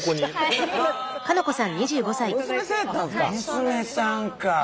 娘さんか。